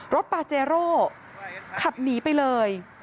ปาเจโร่ขับหนีไปเลย